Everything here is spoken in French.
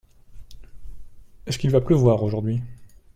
Est-ce qu'il va pleuvoir aujourd'hui ?